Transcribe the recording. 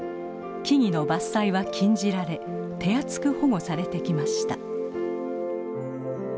木々の伐採は禁じられ手厚く保護されてきました。